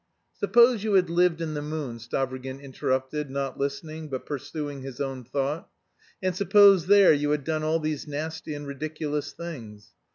"Suppose you had lived in the moon," Stavrogin interrupted, not listening, but pursuing his own thought, "and suppose there you had done all these nasty and ridiculous things....